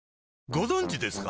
ご存知ですか？